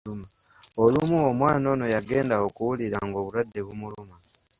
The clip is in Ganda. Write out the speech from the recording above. Olumu omwana ono yagenda okuwulira ng’obulwadde bumuluma.